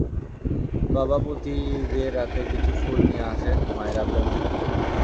বাবা প্রতি ঈদে রাতে কিছু ফুল নিয়ে আসেন, মায়ের আবদার মেটাতে।